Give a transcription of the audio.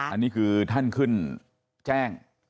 อันนี้คือท่านขึ้นแจ้ง